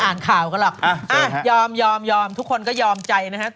มันแซ่บมากพี่โมน